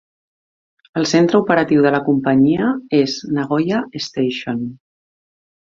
El centre operatiu de la companyia és Nagoya Station.